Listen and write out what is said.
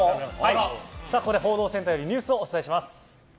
ここで報道センターよりニュースをお伝えします。